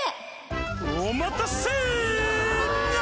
おまたせニャ！